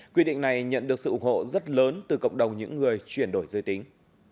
quy định này nhận được sự ủng hộ rất lớn từ cộng đồng những người chuyển đổi giới tính